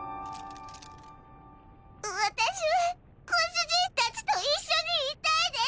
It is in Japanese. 私はご主人たちと一緒にいたいです！